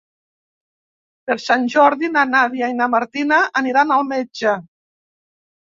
Per Sant Jordi na Nàdia i na Martina aniran al metge.